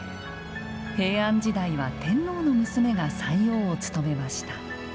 平安時代は天皇の娘が斎王を務めました。